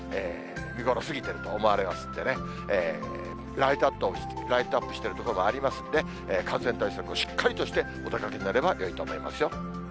見頃過ぎてると思われますんでね、ライトアップしている所もありますので、感染対策をしっかりとしてお出かけになればよいと思いますよ。